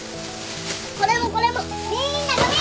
これもこれもみんなごみ。